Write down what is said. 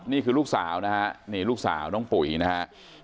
นี่คือลูกสาวนะฮะนี่ลูกสาวน้องปุ๋ยนะฮะ